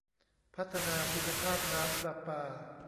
พัฒนาคุณภาพน้ำประปา